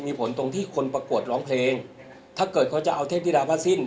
มีผลตรงที่คนประกวดร้องเพลงถ้าเกิดเขาจะเอาเทพธิดาพระสิ้น